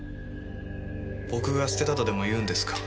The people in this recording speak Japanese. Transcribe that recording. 僕が捨てたとでも言うんですか？